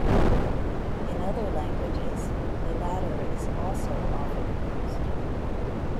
In other languages, the latter is also often used.